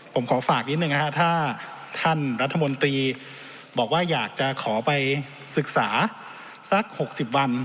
ผมขอฝากนิดนึงนะฮะถ้าท่านรัฐมนตรีบอกว่าอยากจะขอไปศึกษาสัก๖๐วัน